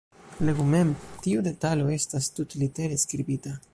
Legu mem: tiu detalo estas tutlitere skribita.